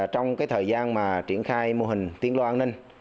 trong thời gian mà triển khai mô hình tiên loa an ninh